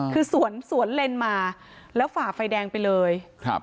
คือสวนสวนเลนมาแล้วฝ่าไฟแดงไปเลยครับ